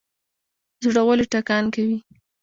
زړه ولې ټکان کوي؟